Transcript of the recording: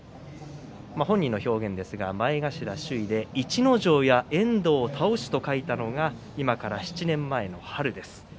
本人の表現ですが前頭首位で逸ノ城や遠藤を倒し、今から７年前の春です。